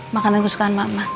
makanan yang aku suka sama mama